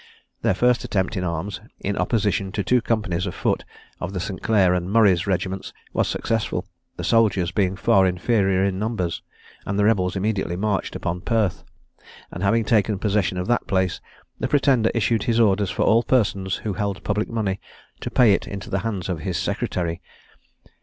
Their first attempt in arms, in opposition to two companies of foot, of the St. Clair and Murray's regiments, was successful, the soldiers being far inferior in numbers; and the rebels immediately marched upon Perth, and having taken possession of that place, the Pretender issued his orders for all persons who held public money to pay it into the hands of his secretary.